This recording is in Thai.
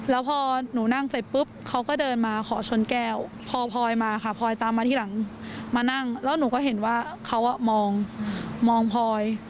แล้วพอหนูนั่งเสร็จปุ๊บเขาก็เดินมาขอชนแก้วพอพลอยมาค่ะพลอยตามมาที่หลังมานั่งแล้วหนูก็เห็นว่าเขามองพลอย